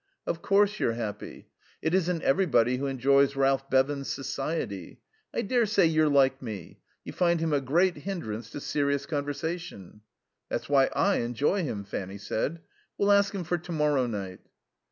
"Of course you're happy. It isn't everybody who enjoys Ralph Bevan's society. I daresay you're like me; you find him a great hindrance to serious conversation." "That's why I enjoy him," Fanny said. "We'll ask him for to morrow night."